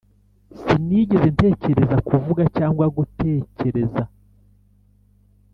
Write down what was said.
sinigeze ntekereza kuvuga cyangwa gutekereza